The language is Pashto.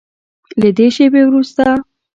له دې شیبې وروسته